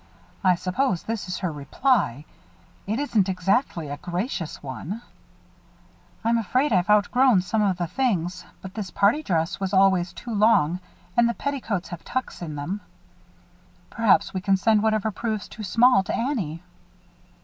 I suppose this is her reply it isn't exactly a gracious one." "I'm afraid I've outgrown some of the things, but this party dress was always too long and the petticoats have big tucks in them." "Perhaps we can send whatever proves too small to Annie."